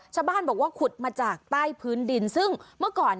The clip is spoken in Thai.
ชาวบ้านบอกว่าขุดมาจากใต้พื้นดินซึ่งเมื่อก่อน